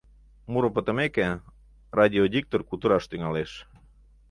Муро пытымеке, радиодиктор кутыраш тӱҥалеш.